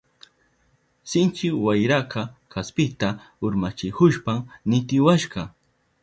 Sinchi wayraka kaspita urmachihushpan nitiwashka.